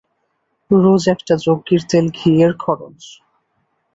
রোজ একটা যজ্ঞির তেল-ঘি এর খরচ!